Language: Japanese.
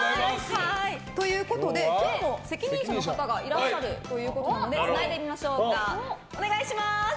ということで今日の責任者の方がいらっしゃるということなのでつないでみましょうか。